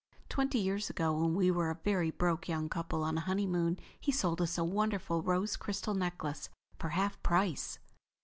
Twenty years ago when we were a very broke young couple on a honeymoon he sold us a wonderful rose crystal necklace for half price."